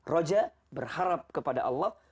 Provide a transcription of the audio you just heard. roja berharap kepada allah